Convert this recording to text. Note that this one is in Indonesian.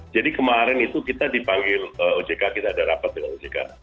jadi kemarin itu kita dipanggil ojk kita ada rapat dengan ojk